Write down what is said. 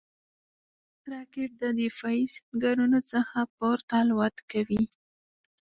راکټ د دفاعي سنګرونو څخه پورته الوت کوي